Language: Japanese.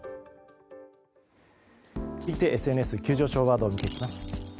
続いてＳＮＳ急上昇ワード見ていきます。